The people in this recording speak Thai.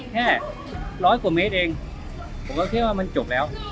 แค่ร้อยกว่าเมตรเองผมก็คิดว่ามันจบแล้ว